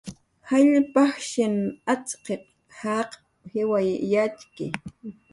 Jall pajsh atz'kiq jaq jiway yatxki